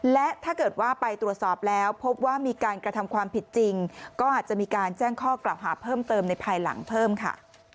และถ้าเกิดว่าไปตรวจสอบแล้วพบว่ามีการกระทำความผิดจริงก็อาจจะมีการแจ้งข้อกล่าวหาเพิ่มเติมในภายหลังเพิ่มค่ะ